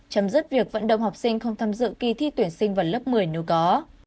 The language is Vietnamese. chấm dứt việc vận động học sinh không tham dự kỳ thi tuyển sinh vào lớp một mươi nếu có